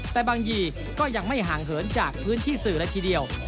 แต่บางยี่ก็ยังไม่ห่างเหินจากพื้นที่สื่อเลยทีเดียว